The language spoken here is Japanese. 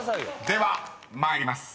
［では参ります。